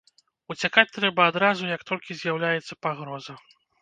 Уцякаць трэба адразу як толькі з'яўляецца пагроза.